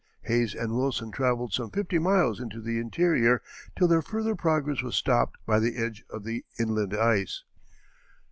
Hayes and Wilson travelled some fifty miles into the interior till their further progress was stopped by the edge of the inland ice.